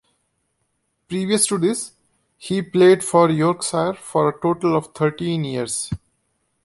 Previous to this he played for Yorkshire for a total of thirteen years.